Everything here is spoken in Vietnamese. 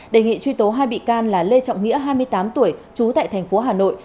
đề nghị truy tố hai bị can là lê trọng nghĩa hai mươi tám tuổi trú tại thành phố hà nội